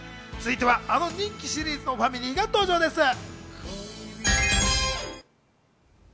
続いては、あの人気シリーズのファミリーが登場です。